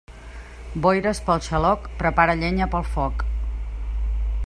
Boires pel xaloc, prepara llenya pel foc.